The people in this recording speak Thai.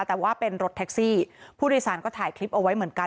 แต่ว่าเป็นรถแท็กซี่ผู้โดยสารก็ถ่ายคลิปเอาไว้เหมือนกัน